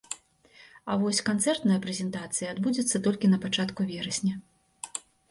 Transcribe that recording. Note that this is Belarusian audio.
А вось канцэртная прэзентацыя адбудзецца толькі на пачатку верасня.